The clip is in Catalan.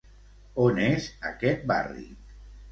On és aquest barri?